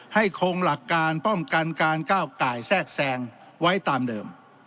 คงหลักการป้องกันการก้าวไก่แทรกแซงไว้ตามเดิม